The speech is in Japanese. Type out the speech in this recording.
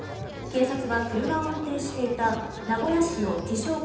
警察は車を運転していた名古屋市の自称